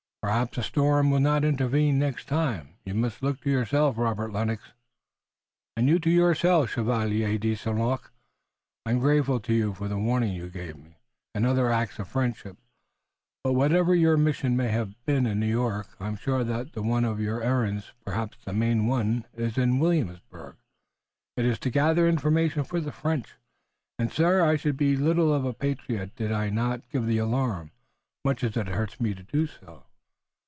"Perhaps a storm will not intervene next time. You must look to yourself, Robert Lennox." "And you to yourself, Chevalier de St. Luc. I'm grateful to you for the warning you gave me, and other acts of friendship, but whatever your mission may have been in New York I'm sure that one of your errands, perhaps the main one, in Williamsburg, is to gather information for France, and, sir, I should be little of a patriot did I not give the alarm, much as it hurts me to do so."